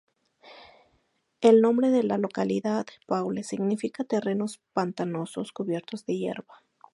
El nombre de la localidad, Paúles, significa "terrenos pantanosos cubiertos de hierba".